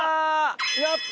やった！